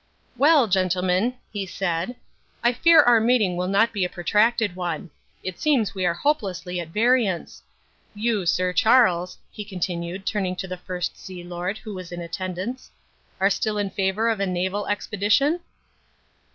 "Well, gentlemen," he said, "I fear our meeting will not be a protracted one. It seems we are hopelessly at variance. You, Sir Charles," he continued, turning to the First Sea Lord, who was in attendance, "are still in favour of a naval expedition?"